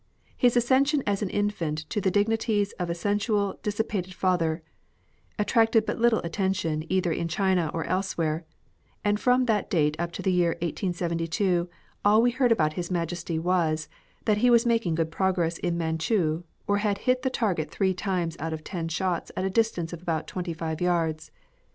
His accession as an infant to the dignities of a sensual, dissipated father, attracted but little attention either in China or elsewhere ; and from that date up to the year 1872, all we heard about His Majesty was, that he was making good progress in Mancliu, or had hit the target three times out of ten shots at a distance of about twenty five yards.